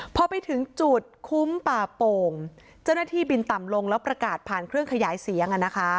พอไปถึงจุดคุ้มป่าโป่งเจ้าหน้าที่บินต่ำลงแล้วประกาศผ่านเครื่องขยายเสียง